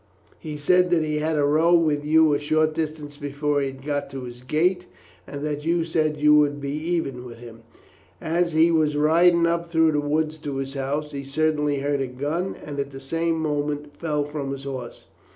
He said that he had had a row with you a short distance before he had got to his gate, and that you said you would be even with him. As he was riding up through the wood to his house, he suddenly heard a gun and at the same moment fell from his horse.